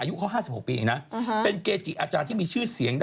อย่างนี้เราต้องใช้ผี